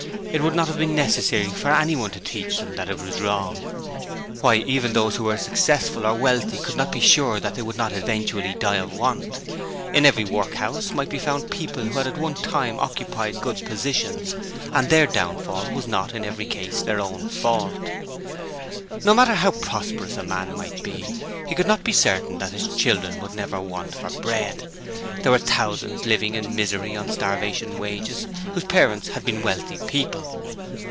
It would not have been necessary for anyone to teach them that it was wrong. Why, even those who were successful or wealthy could not be sure that they would not eventually die of want. In every workhouse might be found people who had at one time occupied good positions; and their downfall was not in every case their own fault. No matter how prosperous a man might be, he could not be certain that his children would never want for bread. There were thousands living in misery on starvation wages whose parents had been wealthy people.